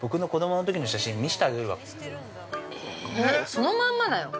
◆そのまんまだよ。